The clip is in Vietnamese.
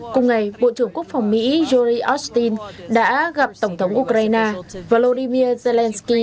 cùng ngày bộ trưởng quốc phòng mỹ george austin đã gặp tổng thống ukraine volodymyr zelenskyy